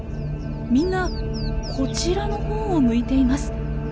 みんなこちらのほうを向いています。